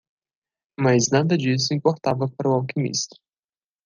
Mas nada disso importava para o alquimista.